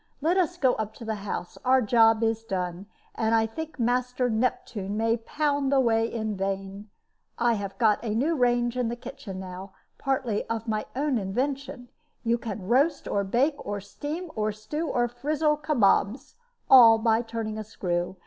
Let us go up to the house. Our job is done, and I think Master Neptune may pound away in vain. I have got a new range in the kitchen now, partly of my own invention; you can roast, or bake, or steam, or stew, or frizzle kabobs all by turning a screw.